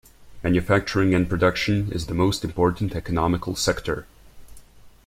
Manufacturing and production is the most important economical sector.